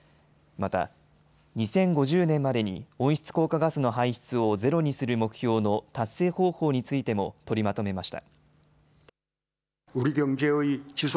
また、２０５０年までに温室効果ガスの排出をゼロにする目標の達成方法についても取りまとめました。